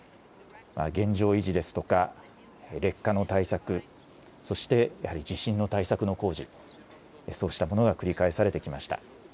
現状維持ですとか劣化の対策、そしてやはり地震の対策の工事、そうしたものが繰り返されてきました。